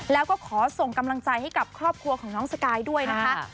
แล้วก็ขอส่งกำลังใจให้กับครอบครัวของน้องสกายด้วยนะคะ